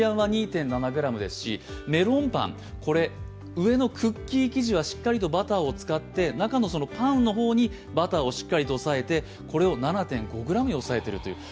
メロンパン、上のクッキー生地はしっかりとバターを使って中のパンの方にバターをしっかりと抑えて、これを７．５ｇに抑えているという。